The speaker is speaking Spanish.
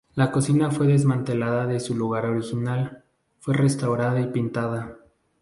La cocina fue desmantelada de su lugar original, fue restaurada y pintada.